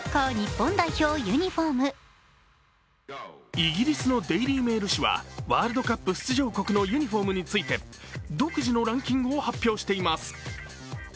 イギリスの「デイリー・メール」紙はワールドカップ出場国のユニフォームについて独自のランキングを発表しています。